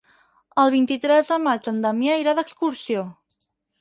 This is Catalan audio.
El vint-i-tres de maig en Damià irà d'excursió.